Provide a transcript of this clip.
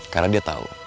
karena dia tahu